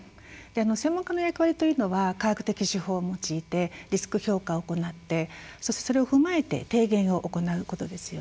専門家の役割というのは科学的手法を用いてリスク評価を行ってそしてそれを踏まえて提言を行うことですよね。